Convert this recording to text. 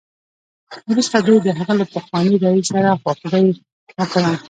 وروسته دوی د هغه له پخواني رییس سره خواخوږي وکړه